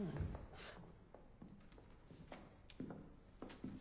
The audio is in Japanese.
フッ。